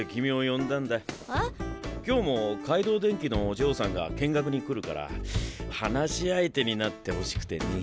今日も海堂電機のお嬢さんが見学に来るから話し相手になってほしくてね。